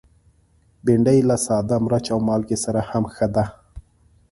بېنډۍ له ساده مرچ او مالګه سره هم ښه ده